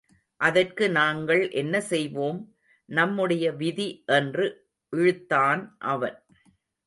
அதற்கு நாங்கள் என்ன செய்வோம் நம்முடைய விதி என்று இழுத்தான் அவன்.